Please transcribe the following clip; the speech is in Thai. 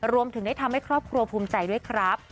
รวมถึงได้ทำให้ครอบครัวภูมิใจด้วยครับ